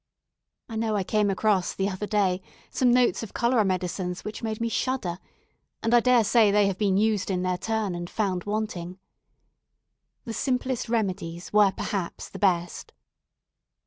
I know I came across, the other day, some notes of cholera medicines which made me shudder, and I dare say they have been used in their turn and found wanting. The simplest remedies were perhaps the best.